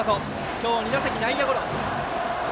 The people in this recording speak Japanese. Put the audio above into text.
今日２打席、内野ゴロ。